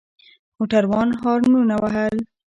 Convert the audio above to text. موټروان هارنونه وهل.